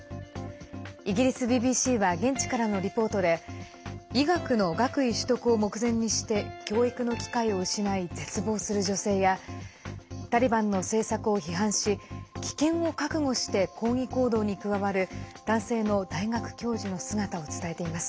イギリスＢＢＣは現地からのリポートで医学の学位取得を目前にして教育の機会を失い絶望する女性やタリバンの政策を批判し危険を覚悟して抗議行動に加わる男性の大学教授の姿を伝えています。